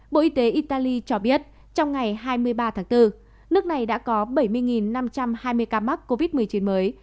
bộ y tế italy cho biết trong ngày hai mươi ba tháng bốn nước này đã có bảy mươi năm trăm hai mươi ca mắc covid một mươi chín mới